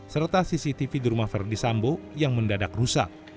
serta cctv di rumah verdi sambo yang mendadak rusak